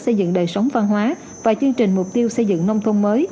xây dựng đời sống văn hóa và chương trình mục tiêu xây dựng nông thôn mới